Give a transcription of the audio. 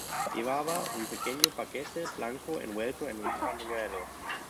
Llevaba un pequeño paquete blanco envuelto en un pañuelo.